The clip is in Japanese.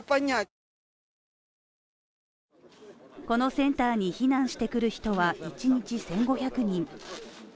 このセンターに避難してくる人は一日１５００人。